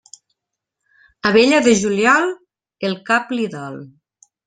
Abella de juliol, el cap li dol.